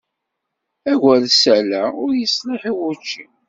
Agersal-a ur yeṣliḥ i wucci.